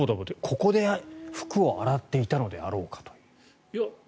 ここで服を洗っていたのであろうかと。